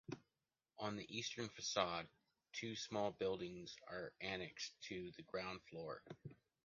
On the eastern façade, two small buildings are annexed to the ground floor.